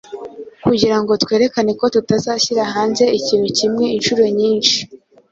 kugira ngo twerekane ko tutazashyira hanze ikintu kimwe inshuro nyinshi.